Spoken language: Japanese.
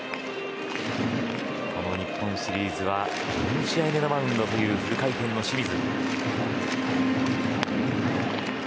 この日本シリーズは４試合目のマウンドというフル回転の清水。